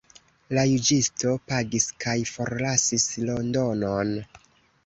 La juĝisto pagis kaj forlasis Londonon.